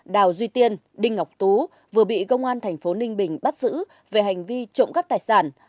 đào duy tiên đinh ngọc tú vừa bị công an thành phố ninh bình bắt giữ về hành vi trộm cắp tài sản